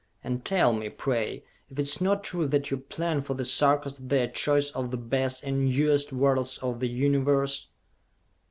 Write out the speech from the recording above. And tell me, pray, if it is not true that you plan for the Sarkas their choice of the best and newest worlds of the Universe?"